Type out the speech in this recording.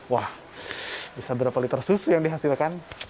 wah bisa berapa liter susu yang dihasilkan